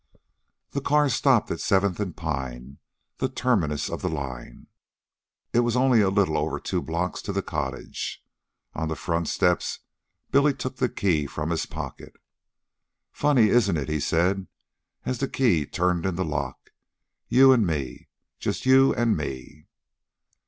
The car stopped at Seventh and Pine, the terminus of the line. It was only a little over two blocks to the cottage. On the front steps Billy took the key from his pocket. "Funny, isn't it?" he said, as the key turned in the lock. "You an' me. Just you an' me."